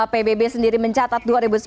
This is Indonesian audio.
pbb sendiri mencatat